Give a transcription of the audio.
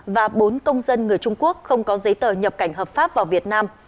và bốn công dân người trung quốc không có giấy tờ nhập cảnh hợp pháp vào việt nam